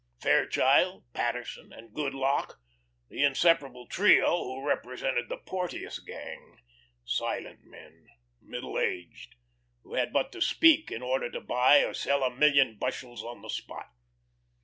Fairchild, Paterson, and Goodlock, the inseparable trio who represented the Porteous gang, silent men, middle aged, who had but to speak in order to buy or sell a million bushels on the spot.